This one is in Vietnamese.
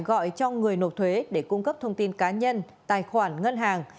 gọi cho người nộp thuế để cung cấp thông tin cá nhân tài khoản ngân hàng